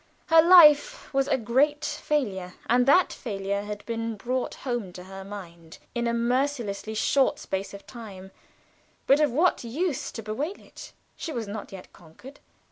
Her life was a great failure, and that failure had been brought home to her mind in a mercilessly short space of time; but of what use to bewail it? She was not yet conquered.